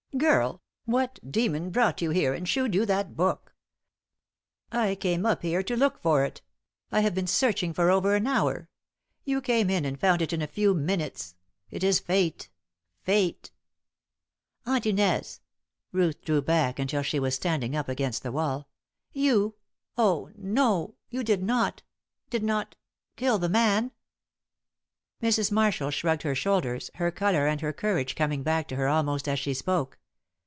Girl, what demon brought you here and shewed you that book? I came up here to look for it; I have been searching for over an hour. You came in and found it in a few minutes. It is fate fate." "Aunt Inez," Ruth drew back until she was standing up against the wall, "you oh, no! you did not did not kill the man!" Mrs. Marshall shrugged her shoulders, her colour and her courage coming back to her almost as she spoke.